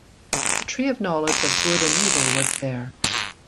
the tree of knowledge of good and evil was there.